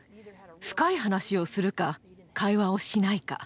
深い話をするか会話をしないか。